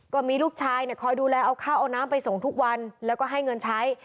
ก็มีลูกชายเนี่ยคอยดูแลเอาข้าวเอาน้ำไปส่งทุกวันแล้วก็ให้เงินใช้